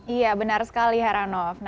iya benar sekali haranov